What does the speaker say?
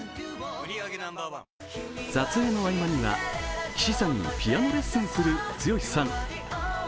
撮影の合間には岸さんにピアノレッスンする剛さん。